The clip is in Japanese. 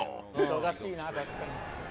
「忙しいな確かに」